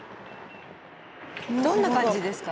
どんな感じですか？